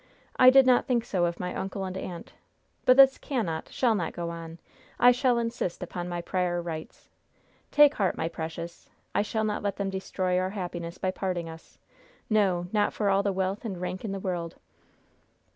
I did not think so of my uncle and aunt. But this cannot, shall not go on! I shall insist upon my prior rights. Take heart, my precious. I shall not let them destroy our happiness by parting us. No, not for all the wealth and rank in the world!"